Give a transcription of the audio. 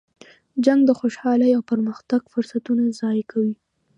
جنګ د خوشحالۍ او پرمختګ فرصتونه ضایع کوي.